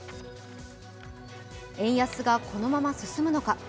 円安がこのまま進むのか。